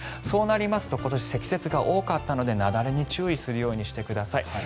そうなりますと今年は積雪が多かったので雪崩に注意するようにしてください。